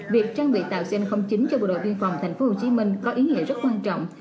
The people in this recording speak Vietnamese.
việc trang bị tàu cn chín cho bộ đội biên phòng tp hcm có ý nghĩa rất quan trọng